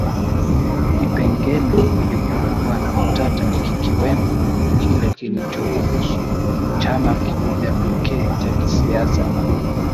Vipengele vilivyokuwa na utata kikiwemo kile kilichoruhusu chama kimoja pekee cha kisiasa